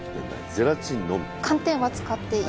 ゼラチンのみ？